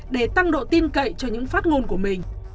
để tăng độ tin cậy cho những phát ngôn của mình